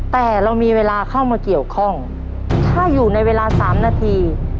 แต่เรามีเวลาเข้ามาเกี่ยวข้องถ้าอยู่ในเวลาสามนาที